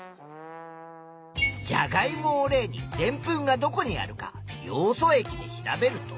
じゃがいもを例にでんぷんがどこにあるかヨウ素液で調べると。